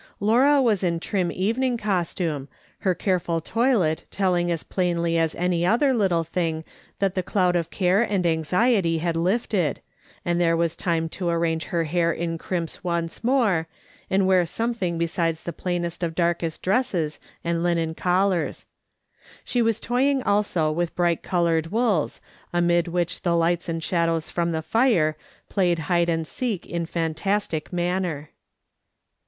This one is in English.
Laura was in trim evening costume, her careful toilet telling as plainly as any other little thing that the cloud of care and anxiety had lifted, and there was time to arrange her hair in crimps once more, and wear something bes .des the plainest n2 l8o MRS. SOLOMON SMITH LOOKING ON. ■ of dark dresses and linen collars. She was toying also with bright coloured wools, amid which the lights and shadows from the fire played hide and seek in fantastic manner.